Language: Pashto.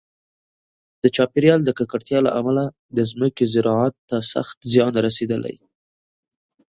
د چاپیریال د ککړتیا له امله د ځمکې زراعت ته سخت زیان رسېدلی.